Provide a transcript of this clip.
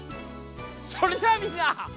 それじゃあみんな！